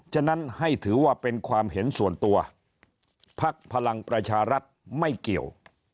ฉะนั้นให้ถือว่าเป็นความเห็นส่วนตัวภักดิ์พลังประชารัฐไม่เกี่ยว